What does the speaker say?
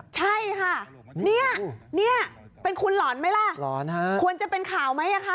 ใช่ค่ะเนี้ยเนี้ยเป็นคุณหลอนไหมล่ะหลอนฮะควรจะเป็นข่าวไหมอ่ะค่ะ